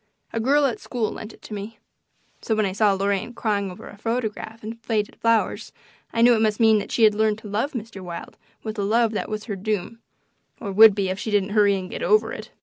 A girl at school lent it to me. So when I saw Lorraine crying over a photograph and faded flowers I knew it must mean that she had learned to love Mr. Wilde with a love that was her doom, or would be if she didn't hurry and get over it.